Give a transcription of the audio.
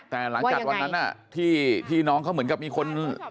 แต่หลังจากวันนั้นที่น้องเขาเหมือนกับมีคน